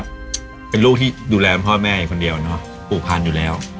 ก็เป็นลูกที่ดูแลพ่อแม่คนเดียวผูกพันค์อยู่แล้ว